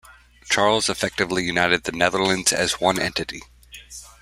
Charles effectively united the Netherlands as one entity.